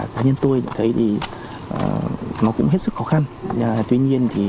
cá nhân tôi thấy thì